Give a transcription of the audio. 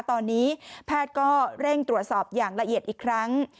ตอนนี้แพทย์ก็เร่งตรวจสอบอย่างละเอียดอีกครั้ง